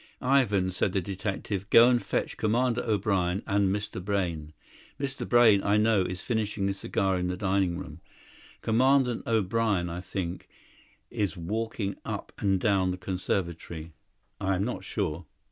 "Ivan," said the detective, "go and fetch Commandant O'Brien and Mr. Brayne. Mr. Brayne, I know, is finishing a cigar in the dining room; Commandant O'Brien, I think, is walking up and down the conservatory. I am not sure."